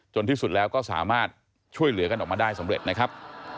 ที่สุดแล้วก็สามารถช่วยเหลือกันออกมาได้สำเร็จนะครับ